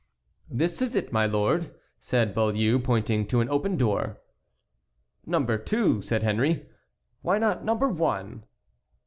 "This is it, my lord," said Beaulieu, pointing to an open door. "Number two," said Henry; "why not number one?"